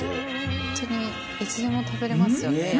ホントにいつでも食べれますよね。